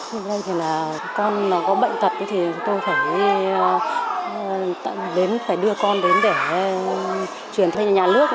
với đây thì là con có bệnh tật thì tôi phải đưa con đến để truyền thêm nhà nước